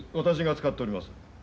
私が使っております。